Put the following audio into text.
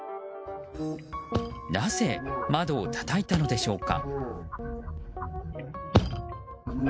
なぜ、窓をたたいたのでしょうか。